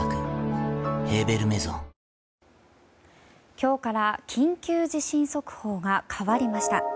今日から緊急地震速報が変わりました。